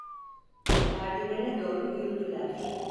Merdivene doğru yürüdüler.